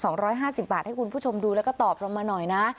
ร้อยห้าสิบบาทให้คุณผู้ชมดูแล้วก็ตอบเรามาหน่อยนะ